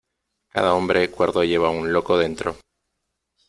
Cada hombre cuerdo lleva un loco dentro.